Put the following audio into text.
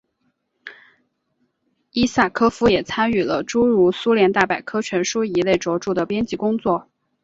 伊萨科夫也参与了诸如苏联大百科全书一类着作的编辑工作。